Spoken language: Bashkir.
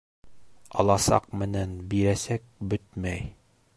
Аласаҡ менән бирәсәк бөтмәй.